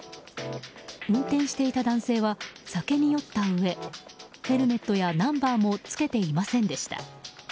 運転していた男性は酒に酔ったうえヘルメットやナンバーもつけていませんでした。